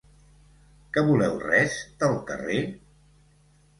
Que voleu res, del carrer?